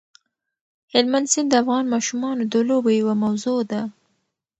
هلمند سیند د افغان ماشومانو د لوبو یوه موضوع ده.